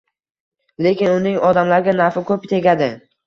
lekin uning odamlarga nafi ko‘p tegadi.